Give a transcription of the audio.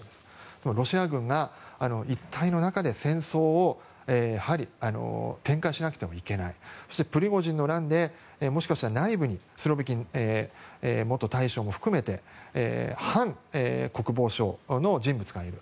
このロシア軍が一体の中で戦争を展開しなくてはいけないそしてプリゴジンの乱でもしかしたら内部にスロビキン元大将も含めて反国防省の人物がいる。